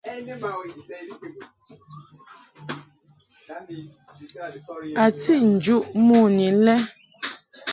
A tiʼ njuʼ mon i lɛ.